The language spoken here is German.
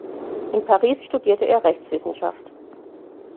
In Paris studierte er Rechtswissenschaft.